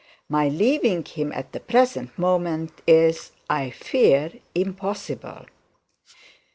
'My leaving him at the present moment is, I fear, impossible.'